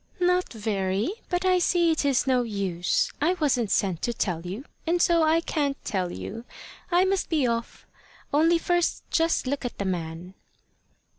"Not very. But I see it is no use. I wasn't sent to tell you, and so I can't tell you. I must be off. Only first just look at the man."